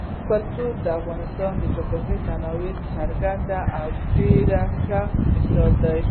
کلتور د افغانستان د جغرافیوي تنوع یو څرګند او ډېر ښه مثال دی.